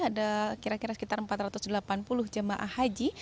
ada kira kira sekitar empat ratus delapan puluh jemaah haji